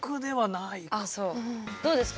どうですか？